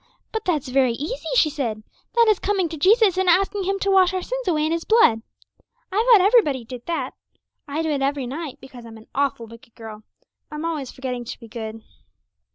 'But that's very easy,' she said, 'that is coming to Jesus and asking Him to wash our sins away in His blood. I thought everybody did that. I do it every night, because I'm an awful wicked girl. I'm always forgetting to be good.'